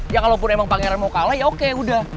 ya kalaupun emang pangeran mau kalah ya oke udah